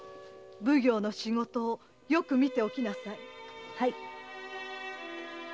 奉行の仕事をよく見ておきなさい。